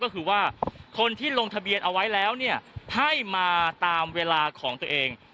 ก็คือว่าคนที่ลงทะเบียนเอาไว้แล้วเนี่ยให้มาตามเวลาของตัวเอง